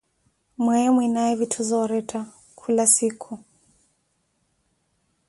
Mweeyo mwinaaye vitthu zooretta khula siikhu.